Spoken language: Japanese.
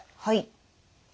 はい。